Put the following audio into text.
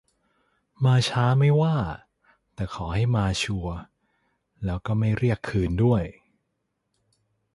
ม้าช้าไม่ว่า แต่ขอให้มาชัวร์ แล้วก็ไม่เรียกคืนด้วย